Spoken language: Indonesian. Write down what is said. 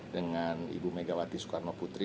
dengan ibu megawati soekarno putri